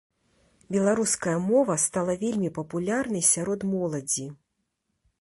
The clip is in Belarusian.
Беларуская мова стала вельмі папулярнай сярод моладзі.